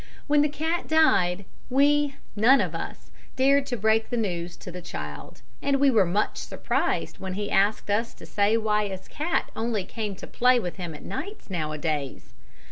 When the cat died we none of us dared to break the news to the child, and were much surprised when he asked us to say why his cat only came to play with him at nights nowadays.